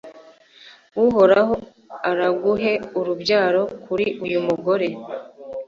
uhoraho araguhe urubyaro kuri uyu mugore